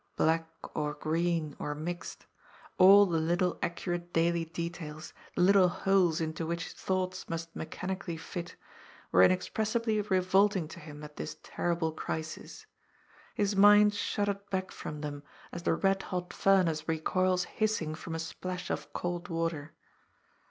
Black or green or mixed. All the little accurate daily details, the little holes into which thoughts must mechanically fit, were inexpressibly revolting to him at this terrible crisis. His mind shuddered back from them, as the red hot furnace recoils hissing from a splash of cold water.